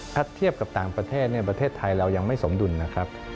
ถ้าเทียบกับต่างประเทศประเทศไทยเรายังไม่สมดุลนะครับ